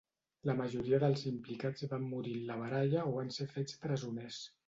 La majoria dels implicats van morir en la baralla o van ser fets presoners.